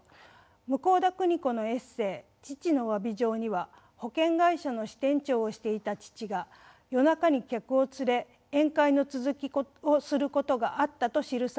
向田邦子のエッセー「父の詫び状」には保険会社の支店長をしていた父が夜中に客を連れ宴会の続きをすることがあったと記されています。